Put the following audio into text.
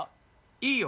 いいよ。